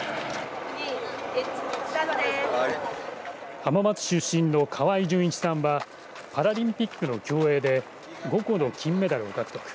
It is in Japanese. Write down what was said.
浜松市出身の河合純一さんはパラリンピックの競泳で５個の金メダルを獲得。